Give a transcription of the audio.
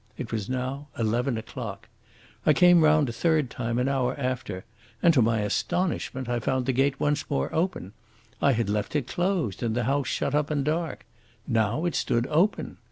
It was now eleven o'clock. I came round a third time an hour after, and to my astonishment I found the gate once more open. I had left it closed and the house shut up and dark. Now it stood open!